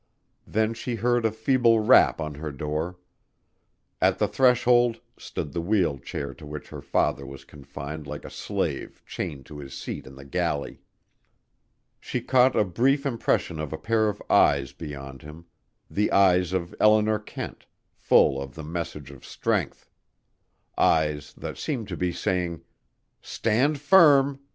Then she heard a feeble rap on her door. At the threshold stood the wheelchair to which her father was confined like a slave chained to his seat in the galley. She caught a brief impression of a pair of eyes beyond him: the eyes of Eleanor Kent, full of the message of strength; eyes that seemed to be saying, "Stand firm.